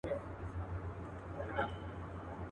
امیر ورکړه یو غوټه د لوټونو.